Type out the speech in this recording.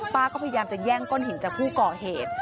ก็พยายามจะแย่งก้อนหินจากผู้ก่อเหตุ